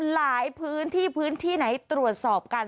หลายพื้นที่พื้นที่ไหนตรวจสอบกัน